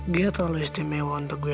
dia terlalu istimewa untuk gue